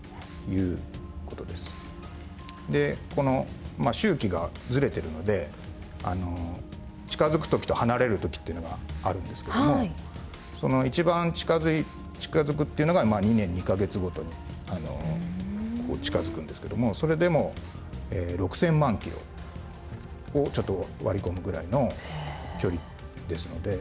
でこの周期がずれてるので近づく時と離れる時っていうのがあるんですけどもその一番近づくっていうのが２年２カ月ごとに近づくんですけどもそれでも６０００万キロをちょっと割り込むぐらいの距離ですので。